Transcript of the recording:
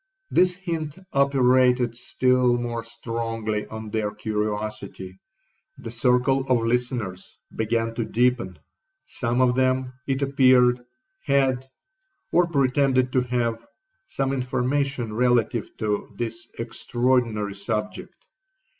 This hint operated still more strongly on their curiosity—the circle of listeners began to deepen. Some of them, it appeared, had, or pretended to have, some information relative to this extraordinary subject.